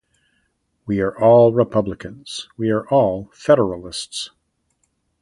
We are all Republicans, we are all Federalists.